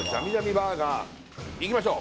バーガーいきましょう